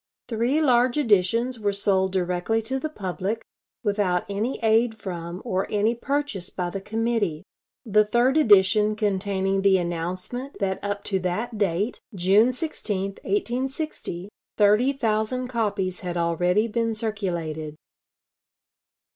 Three large editions were sold directly to the public, without any aid from or any purchase by the committee the third edition containing the announcement that up to that date, June 16, 1860, thirty thousand copies had already been circulated.